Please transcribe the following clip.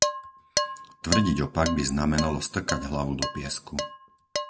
Tvrdiť opak by znamenalo strkať hlavu do piesku.